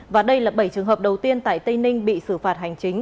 và đây là bảy trường hợp đầu tiên tại tây ninh bị xử phạt hành chính